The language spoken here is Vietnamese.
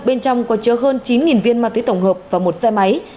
bên trong có chứa hơn chín viên ma túy tổng hợp và một xe máy